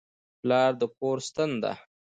پلار د کور ستن ده.